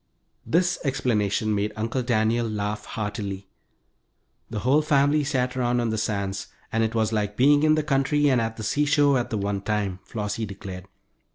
This explanation made Uncle Daniel laugh heartily. The whole family sat around on the sands, and it was like being in the country and at the seashore at the one time, Flossie declared.